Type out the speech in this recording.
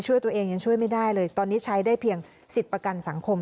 ช่วยตัวเองยังช่วยไม่ได้เลยตอนนี้ใช้ได้เพียงสิทธิ์ประกันสังคม